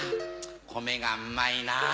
米がうまいなぁ。